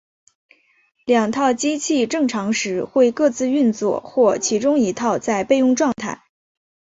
两套机器正常时会各自运作或其中一套在备用状态。